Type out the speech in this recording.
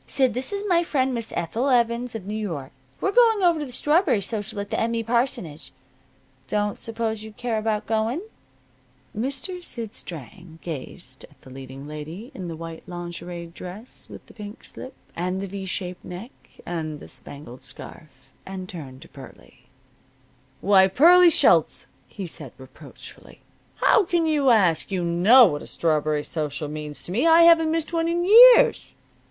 Sid, this is my friend, Miss Ethel Evans, of New York. We're going over to the strawberry social at the M. E. parsonage. I don't suppose you'd care about going?" Mr. Sid Strang gazed at the leading lady in the white lingerie dress with the pink slip, and the V shaped neck, and the spangled scarf, and turned to Pearlie. "Why, Pearlie Schultz!" he said reproachfully. "How can you ask? You know what a strawberry social means to me! I haven't missed one in years!"